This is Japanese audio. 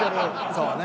そうね。